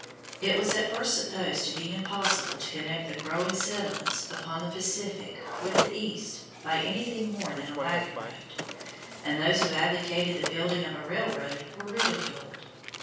It was at first supposed to be impossible to connect the growing settlements upon the Pacific with the East by anything more than a wagon road, and those who advocated the building of a railroad were ridiculed.